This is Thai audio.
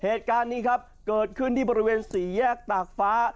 เหตุการณ์นี้ครับเกิดขึ้นที่บริเวณสี่แยกตากฟ้า